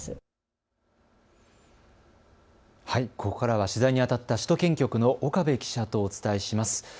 ここからは取材にあたった首都圏局の岡部記者とお伝えします。